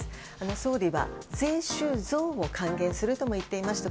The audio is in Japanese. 総理は、税収増を還元するとも言っていました。